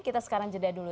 kita sekarang jeda dulu